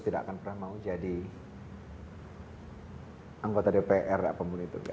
tidak akan pernah mau jadi anggota dpr atau pembuli turga